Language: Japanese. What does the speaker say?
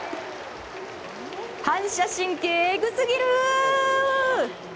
反射神経エグすぎる！